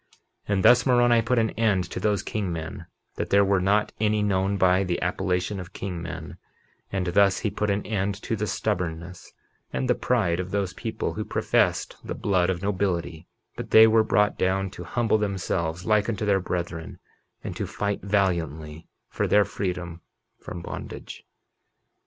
51:21 And thus Moroni put an end to those king men, that there were not any known by the appellation of king men; and thus he put an end to the stubbornness and the pride of those people who professed the blood of nobility; but they were brought down to humble themselves like unto their brethren, and to fight valiantly for their freedom from bondage.